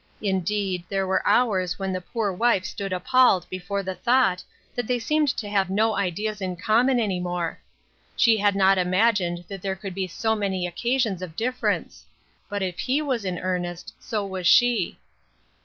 Indeed, there were hours when the poor wife stood appalled before the thought that they seemed to have no ideas in common any more. She had not imagined that there could be so many occasions of difference. But if he was in earnest, so was she.